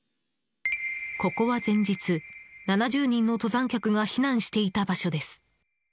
ここは前日、７０人の登山客が避難していた場所です。